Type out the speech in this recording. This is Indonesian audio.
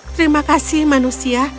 terima kasih manusia